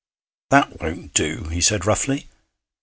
'That won't do,' he said roughly.